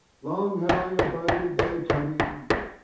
long have I abided thy coming.